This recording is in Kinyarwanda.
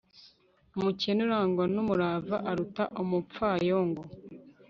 umukene urangwa n'umurava aruta umupfayongo